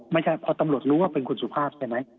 ไม่ใช่พอตำรวจรู้ว่าเป็นคุณสุภาพใช่ไหม